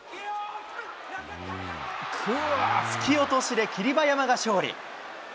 突き落としで霧馬山が勝利。